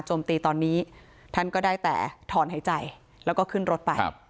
ตีตอนนี้ท่านก็ได้แต่ถอนหายใจแล้วก็ขึ้นรถไป